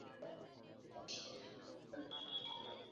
আপনি আমার উপদেষ্টা নন।